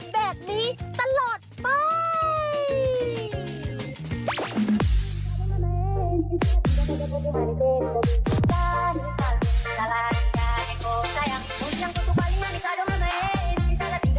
แบบนี้ตลอดไป